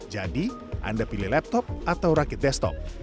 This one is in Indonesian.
jadi anda pilih laptop atau rakit desktop